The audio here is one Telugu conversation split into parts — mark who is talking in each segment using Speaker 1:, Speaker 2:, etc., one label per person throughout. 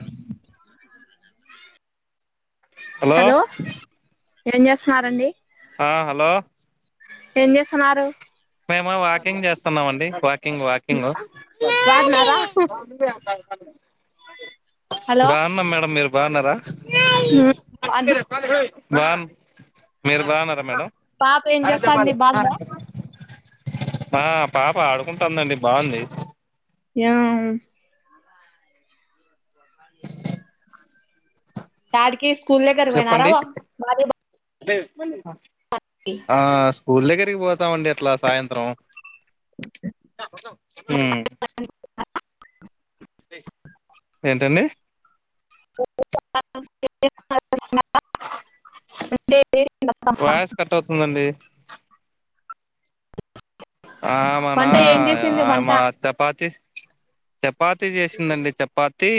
Speaker 1: అ
Speaker 2: హలో
Speaker 1: ఏం చేస్తున్నారండి
Speaker 2: ఆ హలో
Speaker 1: ఏం చేస్తున్నారు
Speaker 2: మేము వాకింగ్ చేస్తున్నామండి వాకింగ్ వాకింగ్ అ
Speaker 1: బాగున్నారా హలో
Speaker 2: బాగున్నా మేడం మీరు బాగున్నారా
Speaker 1: బాగున్న
Speaker 2: బాన్ మీరు బాన్నారా మేడం
Speaker 1: పాప ఏం చేస్తాంది బాగుందా
Speaker 2: ఆ పాప ఆడుకుంటుందండి బాగుంది
Speaker 1: ఏం యాడికి స్కూల్ దగ్గరికి పోయినారా
Speaker 2: చెప్పండి
Speaker 1: మాది
Speaker 2: ఆ స్కూల్ దగ్గరికి పోతామండి అట్లా సాయంత్రం హ్ ఏంటండి
Speaker 1: [unintelligible]
Speaker 2: వాయిస్ కట్ అవుతుందండి
Speaker 1: [unintelligible]
Speaker 2: ఆ మనా
Speaker 1: వంట ఏం చేసింది
Speaker 2: ఆమ
Speaker 1: వంట
Speaker 2: చపాతి చపాతి చేసిందండీ చపాతి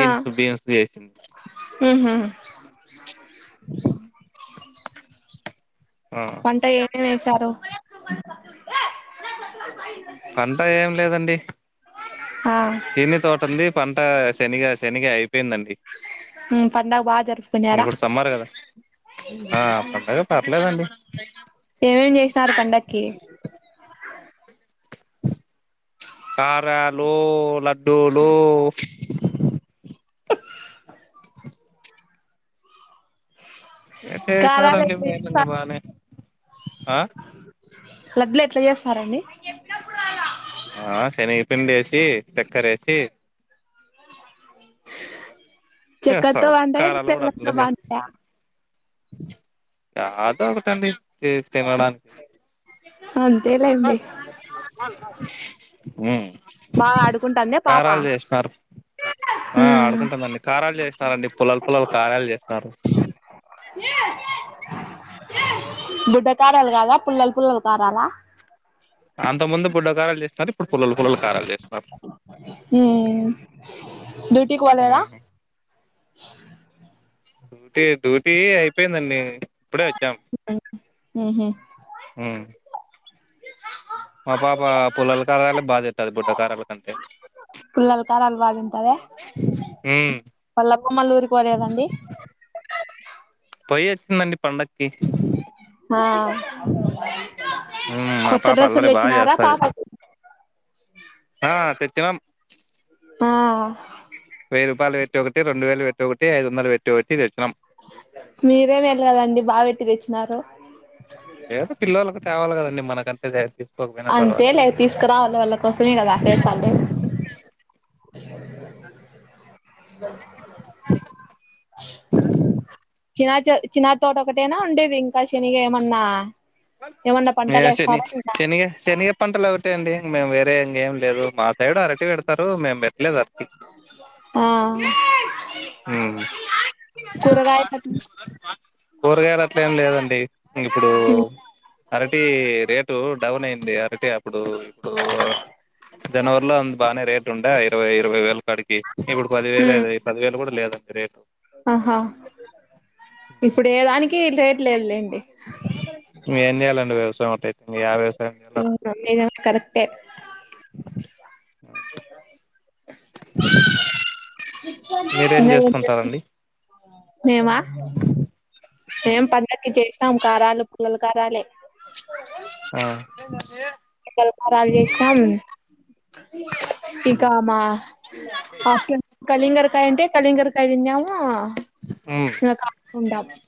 Speaker 1: ఆ
Speaker 2: బీన్స్ చేసింది
Speaker 1: ఉహు
Speaker 2: ఆ
Speaker 1: పంట ఏమి వేసారు
Speaker 2: పంట ఏం లేదండి
Speaker 1: ఆ
Speaker 2: శనగ తోట ఉంది పంట శనిగా శనిగ అయిపోయిందండి
Speaker 1: హ్ పండగ బా జరుపుకున్నారా
Speaker 2: ఇప్పుడు సమ్మర్ కదా ఆ పండగ పర్లేదండి
Speaker 1: ఏమేమి చేసినారు పండకి
Speaker 2: కారాలు లడ్డూలు
Speaker 1: కారాలు
Speaker 2: చేసారండి
Speaker 1: ఎట్లా చేస్తారు
Speaker 2: బానే ఆ
Speaker 1: ఎడ్లు ఎట్లా చేస్తారండి
Speaker 2: ఆ శనిగా పిండి ఏసి చక్కర ఏసి
Speaker 1: చెక్కర్తో
Speaker 2: చేస్తారు
Speaker 1: కంటే
Speaker 2: కారాలు కూడా
Speaker 1: బెల్లం
Speaker 2: అట్లా
Speaker 1: తో
Speaker 2: చే
Speaker 1: బాగుంటయా
Speaker 2: [unintelligible] తినడానికి
Speaker 1: అంతేలేండి
Speaker 2: హ్మ్
Speaker 1: బాగా ఆడుకుంటాంద పాప
Speaker 2: ఆ
Speaker 1: ఉమ్
Speaker 2: ఆడుకుంటమండి కారాలు చేస్తారండి పొల్లలు పోల్లలు కారాలు చేస్తారు
Speaker 1: బుడ్డ కారాలు కాదా పుల్లలు పుల్లలు కారాలా
Speaker 2: అంత ముందు బుడ్డకారాలు చేసరు ఇపు ప్పుడు పుల్లలు పిల్లలు ఖారాలు చేస్తున్నారు
Speaker 1: డ్యూటీకి పోలేదా
Speaker 2: డ్యూటీ డ్యూటీ అయిపోయిందండి ఇప్పుడే వచ్చాం
Speaker 1: ఉహు.
Speaker 2: మా పాప పుల్లల కారాల బాధేస్తది బుడ్డ కారాల కంటే
Speaker 1: [unintelligible]
Speaker 2: ఉమ్
Speaker 1: వల్ల అత్తమ్మోల ఉరికి పోలేదండి
Speaker 2: పోయి వచ్చిందండి పండకి
Speaker 1: ఆ
Speaker 2: ఉమ్ మా పాప
Speaker 1: కొత్తడ్రెస్ లు
Speaker 2: అల్లరి బాగా
Speaker 1: తెచ్చినార
Speaker 2: చేస్తది
Speaker 1: పాపకి
Speaker 2: ఆ తెచ్చినాము
Speaker 1: ఆ
Speaker 2: వేయి రూపాయలు పేట్టి ఒకటి రెండు వేలు పెట్టి ఒకటి ఐదొందలు పెట్టి ఒకటి తెచ్చి
Speaker 1: మీరే వెళ్ళారండి బాగా పెట్టి తెచ్చినారు
Speaker 2: ఏమంటే పిల్లలకు కావలి కదండి మనకంటె
Speaker 1: అంతే లే తీసుకురావాలి వాళ్ళ కోసమే కదా చేస్తాంది అ చినా చిన్నాగా తోట ఒకటేనా ఉండేది ఇంకా శనిగ ఏమన్నా ఏమన్నా పంటలు
Speaker 2: శని
Speaker 1: వేస్తారా ఇంకా
Speaker 2: శనిగ శనిగ పంటలు ఒకటెయండి మేము వేర ఇంకేం లేదు మా సైడు అరటి పెడతారు మేం పెట్టలేదు అరటీ
Speaker 1: ఆ కూరగాయల
Speaker 2: కూరగాయలు అట్ల ఏం లేదండి ఇప్పుడు అరటి రేటు డౌన్ అయింది అరటి ఇప్పుడు ఇప్పుడు జనవరిలో అ బాగానే రేటు ఉంటె ఇరవై ఇరవై వేలు ఇక్కడికి ఇప్పుడు పది వేలు అ పదివేలు కూడా లేదండి రేటు
Speaker 1: ఆహా ఇప్పుడు ఏ దానికి రేట్ లేదులే
Speaker 2: ఏం చేయాలండి వ్యవసాయం [unintelligible] అర్థం
Speaker 1: [unintelligible] కరెక్టే
Speaker 2: కాదు మీరేం చేస్తుంటారండి
Speaker 1: [inaudible] మేమా మేం పండకి చేసి నం కారాలు పుల్లల కారాలే
Speaker 2: ఆ
Speaker 1: పుల్లలకారాలు చేసినాం
Speaker 2: ఉమ్
Speaker 1: ఇకా మా కలింగడుకాయ ఉంటే కళింగడుకాయ దిన్యము [unintelligible]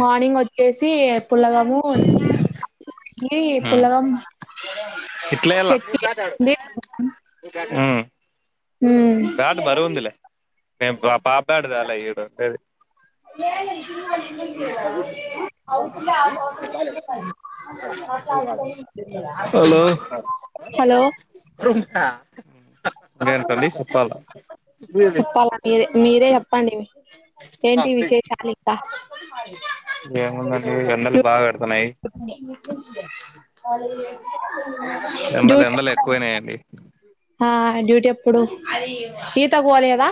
Speaker 1: మార్నింగ్ వచ్చేసి సి పులగము ఇడ్లి పులాగమ్
Speaker 2: ఇట్ల ఎయాల ఉమ్
Speaker 1: ఉమ్
Speaker 2: మేము పాప్ పాపబ్యాట్ త్యల ఈడ ఉండేది
Speaker 1: ఏ
Speaker 2: ాల హలో
Speaker 1: హలో
Speaker 2: ఇంకేంటి అండి సోప్పాలా
Speaker 1: సోప్పాలా మీరే మీరే చెప్పండి ఏంటి విశేషాలు ఇకా
Speaker 2: ఏముందండి ఎండలు బాగా పెడుతున్నాయి ఎండలు
Speaker 1: డ్యూటీ
Speaker 2: ఎండలు
Speaker 1: ఇప్పుడేనా
Speaker 2: ఎక్కువైనాయండి
Speaker 1: ఆ డ్యూటీ ఎప్పుడూ ఈతకు పోలేదా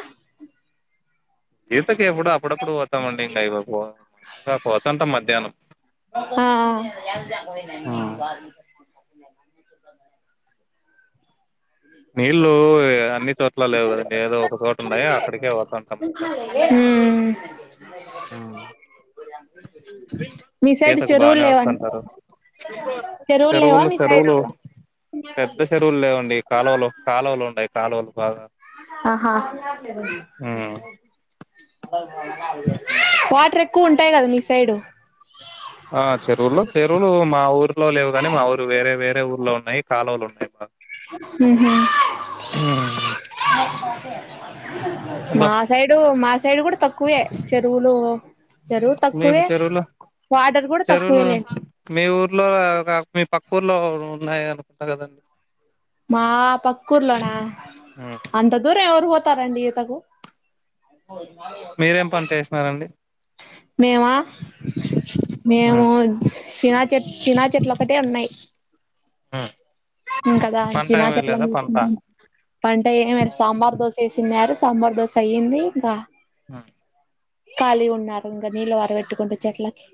Speaker 2: ఇతకి ఎప్పుడో అప్పుడప్పుడు పోతామండి ఇకా పోతుంటాం మధ్యాహ్నం
Speaker 1: ఆ
Speaker 2: నీళ్ళు అన్ని చోట్ల లేవు కదండి ఏదో ఒక చోట ఉన్నాయి అక్కడికే పోతవుంటాం
Speaker 1: హ్మ్ మీ సైడ్
Speaker 2: ఈతకు
Speaker 1: చెరువులు
Speaker 2: బానే
Speaker 1: లేవా అండి
Speaker 2: వస్తుంటారు చెరువులు సేరువులు పెద్ద సేరువులు లేవండి కాలువలు కాలువలు ఉండాయి కాలువలు బాగా
Speaker 1: ఆహా
Speaker 2: ఉమ్
Speaker 1: వాటర్ ఎక్కువ ఉంటాయి కదా మీ సైడు
Speaker 2: ఆ చెరువుల్లో చెరువులు మా ఊర్లో లేవు కాని మా ఊరు వేరే వేరే ఊర్లో ఉన్నాయి కాలువలు ఉన్నాయి
Speaker 1: హ్మ్ హు
Speaker 2: ఎందో
Speaker 1: మా సైడు మా సైడు కూడా తక్కువే చెరువులు చెరువు
Speaker 2: మీకు
Speaker 1: తక్కువే
Speaker 2: చెరువులు
Speaker 1: వాటర్ కూడా
Speaker 2: చెరువులు
Speaker 1: తక్కువేలెండి
Speaker 2: మీ ఊర్లో గాక మీ పక్క ఊర్లో ఉన్నాయి అన్నారు కదా
Speaker 1: మా పక్కుర్లోన అంత దూరం ఎవరుపోతా తరండి ఈతకు
Speaker 2: మీరేం పంట ఎసినారు అండి
Speaker 1: మేమ మేము సిన చెట్ చినా చెట్లు ఒకటే ఉన్నాయి
Speaker 2: ఆ
Speaker 1: ఇంకదా చినా చెట్లను
Speaker 2: పంట
Speaker 1: చుసుకుంటునం పంట ఎం ఎ సాంబార్ దోశ వేసిన్యా సాంబార్ దోశ అయ్యింది ఇంకా
Speaker 2: ఆ
Speaker 1: ఖాళీ గ ఉన్నారు ఇంకా నీళ్ళ వర పెట్టుకుంట చెట్లకి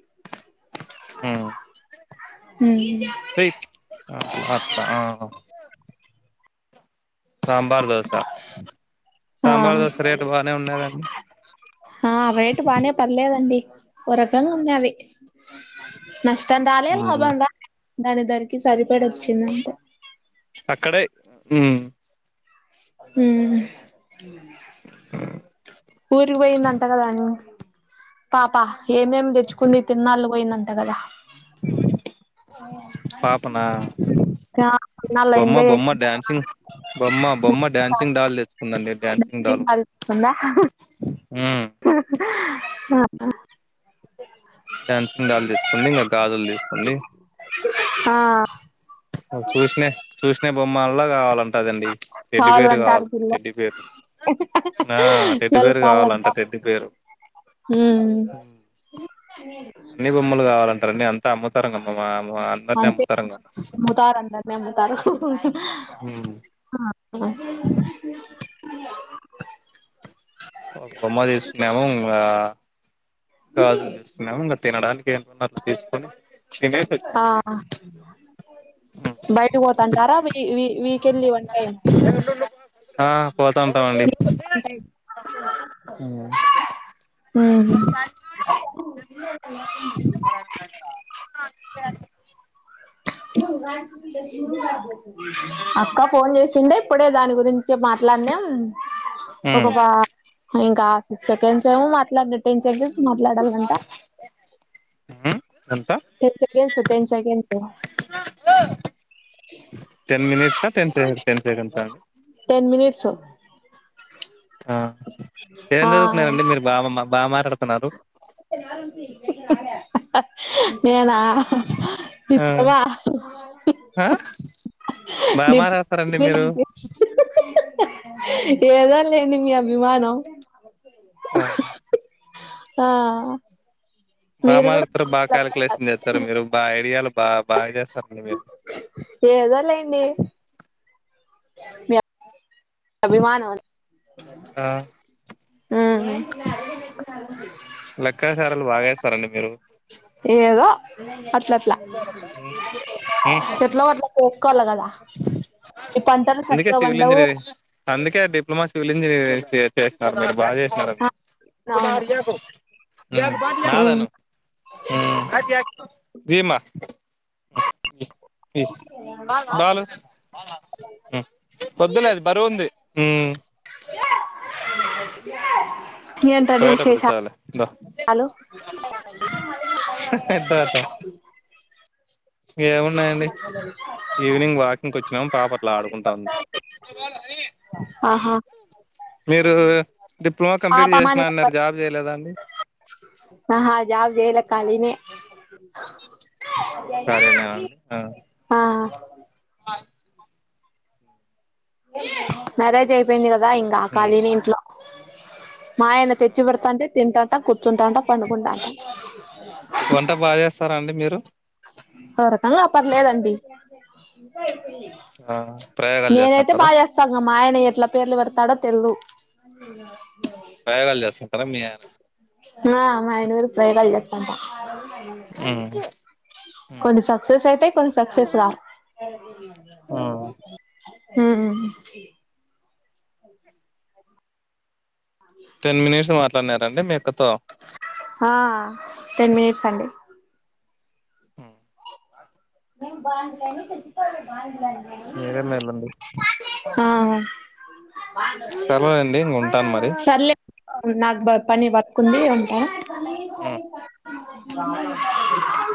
Speaker 1: హ్మ్
Speaker 2: రైట్ అట్లా హ సాంబార్ దోశ
Speaker 1: ఆ
Speaker 2: సాంబార్ దోశ రేటు బాగా ఉన్య దాండి
Speaker 1: ఆ రేటు బానే పర్లేదండి ఓ రకంగ వుణ్యాది నష్టం రాలే లాభం రాల్య దానిద్దరికి సరిపడ వచ్చిందంతే
Speaker 2: హ్మ్
Speaker 1: ఉహ్మ్ ఊరికి పోయిందంట కదా అను పాప ఏమేమి తెచ్చుకుంది. తిర్న్నాళు పోయిందంట గదా.
Speaker 2: పాపనా
Speaker 1: ఆ తిరునాళ్ళలో
Speaker 2: బొమ్మ
Speaker 1: ఎంజాయ్
Speaker 2: బొమ్మ
Speaker 1: చేసిందా
Speaker 2: డ్యాన్సింగ్. బొమ్మ బొమ్మ డ్యాన్సింగ్ డల్ తెచ్చుకున్న అండి డ్యాన్సింగ్ డాలు
Speaker 1: ఆహా
Speaker 2: డ్యాన్సింగ్ డాల్ తెచ్చుకుంది, ఇంగా గాజులు చేసుకుంది.
Speaker 1: ఆ
Speaker 2: ఓ చూస్నే చూసిన బొమ్మల్ల కావాలంటదండి. టెడ్డిబేర్ కావాల టెడ్డీబేర్
Speaker 1: చల్ కలాంత
Speaker 2: కావాలంట టెడ్డి బేరు
Speaker 1: ఉమ్ మ్
Speaker 2: అన్ని బొమ్మలు కావాలంటారన్నీ అన్
Speaker 1: అంతే ముతార్ అందర్నే ముతార్
Speaker 2: మ్మ్
Speaker 1: ఆహా
Speaker 2: ఒక్ బొమ్మ తీసుకున్నాము ఇంగా గాజుల్ తీసుకున్నాము. ఇంగా తినడానికి ఏంతుందంత తీసుకొని తినేసి వచ్చినం.
Speaker 1: బయట పోతంటారా? వి వి వి వికెన్లీ వన్ టైం.
Speaker 2: ఆ పోతాంటాండి.
Speaker 1: వన్ టైం
Speaker 2: ఉహ్
Speaker 1: హ్మ్
Speaker 2: నెంబర్ అడుగుతంది రా
Speaker 1: అక్క ఫోన్ చేసిందే ఇప్పుడే దాని గురిం చె మాట్లాడినాం. ఒక
Speaker 2: ఉమ్
Speaker 1: వా ఇంకా సిక్స్ సెకండ్స్ ఏమో మాట్లాడ్నా. టెన్ సెకండ్స్ మాట్లాడాలాంట.
Speaker 2: ఎంత
Speaker 1: టేత్ సెకండ్స్ టెన్ సెకండ్స్ లా
Speaker 2: టెన్ మినేట్స, టెన్ సె టెన్ సెగండ్స
Speaker 1: టెన్ మినిట్స్
Speaker 2: ఆ ఏం
Speaker 1: ఆ
Speaker 2: చదువుకున్నారంండి. మీరు బాగా మా బాగా మాటాడుతున్నారు?
Speaker 1: నేనా
Speaker 2: ఆ
Speaker 1: ఓవా
Speaker 2: ఆ బాగా
Speaker 1: డిప్
Speaker 2: మాట్లాడతారండి మీరు
Speaker 1: [inaudible] ఏదో లెండి మీ అభిమానం
Speaker 2: ఆ
Speaker 1: ఆ
Speaker 2: బా
Speaker 1: మీరు కూడా
Speaker 2: మాట్లాడుతారు, బాగా కాలిక్యలేషన్ చేస్తారు. మీరు బాగా ఐడియాలు బా బాగా చేస్తారండి మీరు.
Speaker 1: ఏదో లేండి మీ అభిమానం
Speaker 2: ఆ
Speaker 1: [inaudible] ఉమ్
Speaker 2: లెక్కసారలు బాగా ఎస్తారండి మీరు.
Speaker 1: ఏదో అట్ల అట్లా,
Speaker 2: ఉమ్
Speaker 1: ఎకట్లో అట్లా నేర్చుకోవాల గదా. ఈ పంటాలు
Speaker 2: అందుకే
Speaker 1: సరిగ్గా
Speaker 2: సివిల్
Speaker 1: పండవు
Speaker 2: ఇంజనీరింగ్ అందుకే డిప్లొమా, సివిల్ ఇంజనీరింగ్ చే చేస్నారు మీరు. బా జెస్నారు.
Speaker 1: ఆ అవును
Speaker 2: ఉమ్
Speaker 1: ఉమ్
Speaker 2: నాధను ఉమ్ విమా వి దాలు ఉహ్ వాద్దులే అది బరువుంది. ఉహ్మ్ పోయేటప్పుడిస్సలే
Speaker 1: హలో
Speaker 2: తాత ఏమున్నాయండి
Speaker 1: [inaudible]
Speaker 2: ఈవినింగ్ వాకింగ్కి వచ్చినాం పాప అట్లా ఆడుకుంటా ఉంది
Speaker 1: ఆహా
Speaker 2: మీరు డిప్లొమా కంప్లీట్
Speaker 1: పాపమా
Speaker 2: చేసిన అన్నారు జాబ్ చేయలేదా అండి
Speaker 1: ఆహా జాబ్ చేయలే కాలినే
Speaker 2: [inaudible]
Speaker 1: మ్యారేజ్ అయిపోయింది కదా ఇంకా కాలినే ఇంట్లో మాయన తెచ్చి
Speaker 2: అవునా
Speaker 1: పెడతంటే తింటంట కూర్చుంటాంట పండుకుంటాంట
Speaker 2: వంట బాగా చేస్తారా అండి మీరు
Speaker 1: ఒక రకన్ంలో పర్లేదండి
Speaker 2: ప్రయోగాలు
Speaker 1: నేనైతే
Speaker 2: చేస్తుంటారా
Speaker 1: బాగా చేస్తాను మా ఆయన ఎట్లా పేర్లు పెడతాడో తెలుదు
Speaker 2: రాయ కాల్ చేస
Speaker 1: ఆ మా అయినా మీద ప్రయోగాలు చేస్తంత
Speaker 2: ఆయన
Speaker 1: కొన్ని సక్సెస్ అయితే కొన్ని సక్సెస్ కా హు
Speaker 2: టెన్ మినిట్స్ మాట్లాడినారండి మీ అక్క తో
Speaker 1: ఆ టెన్ మనిట్స్ అండి
Speaker 2: ఆ
Speaker 1: మేము బాధలేని తెసి తే బధలానే
Speaker 2: మీరే మలడి
Speaker 1: ఆ
Speaker 2: సర్లేండి ఇంక ఉంటాను మరి
Speaker 1: సర్లే నాకు పని వర్క్ ఉంది ఉంటా [inaudible]